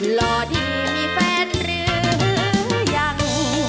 หล่อที่มีแฟนหรือยัง